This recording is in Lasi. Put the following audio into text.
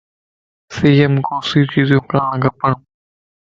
سيءَ مَ ڪوسيون چيزيون کاڻ کپن